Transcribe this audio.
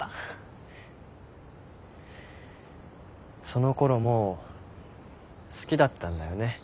そのころもう好きだったんだよね